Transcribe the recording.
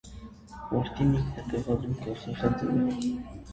Որդին ինքն է տեղադրում գլխին խնձորը։